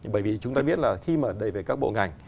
bởi vì chúng ta biết là khi mà đầy về các bộ ngành